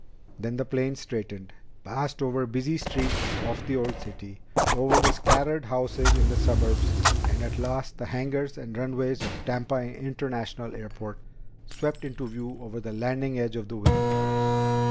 Then the plane straightened, passed over the busy streets of the old city, over the scattered houses in the suburbs, and at last the hangars and runways of Tampa International Airport swept into view over the leading edge of the wing.